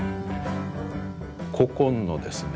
古今のですね